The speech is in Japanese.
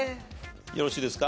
よろしいですか？